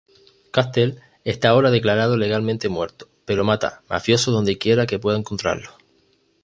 Castle está ahora declarado legalmente muerto, pero mata mafiosos dondequiera que pueda encontrarlos.